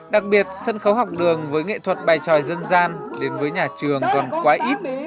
đặc biệt sân khấu học đường với nghệ thuật bài tròi dân gian đến với nhà trường còn quá ít